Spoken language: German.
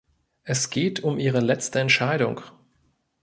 Es geht um Ihre letzte Entscheidung.